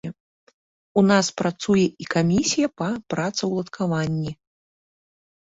У нас працуе і камісія па працаўладкаванні.